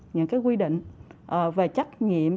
những quy định về trách nhiệm